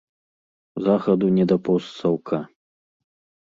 Захаду не да постсаўка.